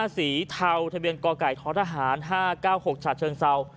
สีเทาทะเบียนกไก่ท้อทหาร๕๙๖ฉาเชิงเศร้า